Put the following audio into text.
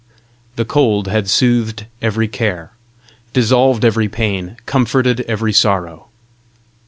The cold had soothed every care, dissolved every pain, comforted every sorrow.